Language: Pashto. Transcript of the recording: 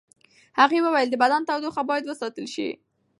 هغې وویل د بدن تودوخه باید ساتل شي.